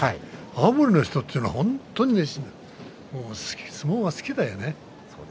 青森の人というのは本当に熱心相撲が好きだよね